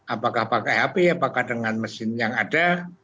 apakah pakai hp apakah dengan mesin yang ada